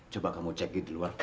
coba kamu cek di luar